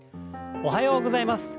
おはようございます。